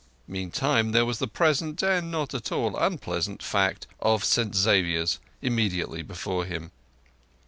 Meantime, there was the present, and not at all unpleasant, fact of St Xavier's immediately before him.